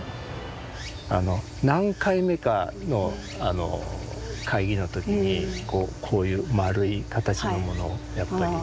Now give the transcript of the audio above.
何回目かの会議の時にこういう丸い形のものをやっぱり。